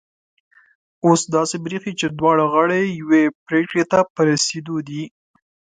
اوس داسي برېښي چي دواړه غاړې یوې پرېکړي ته په رسېدو دي